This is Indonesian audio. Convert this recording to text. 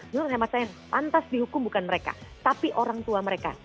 menurut hemat saya yang pantas dihukum bukan mereka tapi orang tua mereka